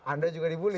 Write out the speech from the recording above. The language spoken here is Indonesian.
anda juga dibully